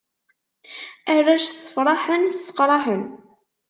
Arrac ssefṛaḥen, sseqṛaḥen.